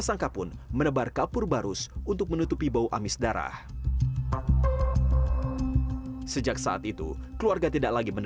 sangat membantu oleh dia dari masuk kuliah